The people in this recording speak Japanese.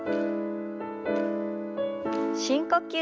深呼吸。